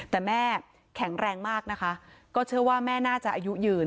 แต่แม่แข็งแรงมากนะคะก็เชื่อว่าแม่น่าจะอายุยืน